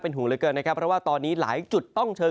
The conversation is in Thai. หูเหลือเกินนะครับเพราะว่าตอนนี้หลายจุดต้องเชิญ